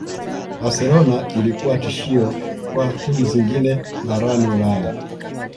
Barcelona ilikuwa tishio kwa timu zingine barani ulaya